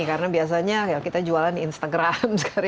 karena biasanya kita jualan di instagram sekarang